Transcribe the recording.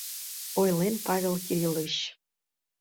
— ойлен Павел Кириллович.